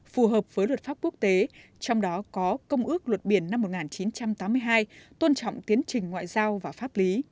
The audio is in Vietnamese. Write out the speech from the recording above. phù hợp với luật pháp quốc tế trong đó có công ước luật biển năm một nghìn chín trăm tám mươi hai tôn trọng tiến trình ngoại giao và pháp lý